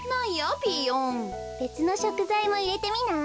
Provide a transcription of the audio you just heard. べつのしょくざいもいれてみない？